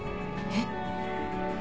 えっ？